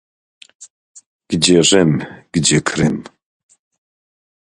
"Gdzie Rzym, gdzie Krym?"